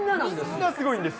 みんなすごいんです。